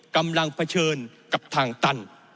กำลังเผชิญกับทางตัน